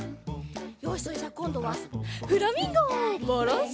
よしそれじゃこんどはフラミンゴバランス。